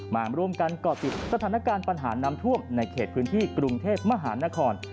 มาร่วมกันก่อติดสถานการณ์ปัญหาน้ำท่วมในเขตพื้นที่กรุงเทพมหานคร